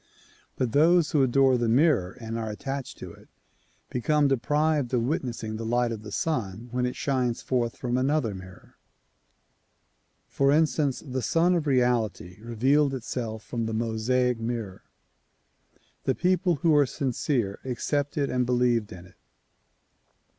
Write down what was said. But those who adore the mirror and are attached to it, become deprived of witnessing the light of the Sun when it shines forth from another mirror. For instance, the Sun of Reality revealed itself from the Mosaic mirror. The people who were sincere accepted and believed in it.